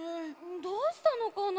どうしたのかな？